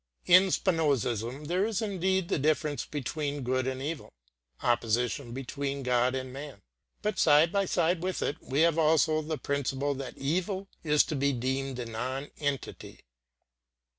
In Spinozism there is indeed the difference between good and evil, opposition between God and man; but side by side with it we have also the principle that evil is to be deemed a non entity.